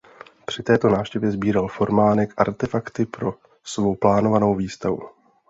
Při této návštěvě sbíral Formánek artefakty pro svou plánovanou výstavu.